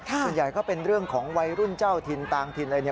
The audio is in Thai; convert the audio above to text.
แต่ก็เป็นเรื่องของวัยรุ่นเจ้าทินตางทินเลยเนี่ย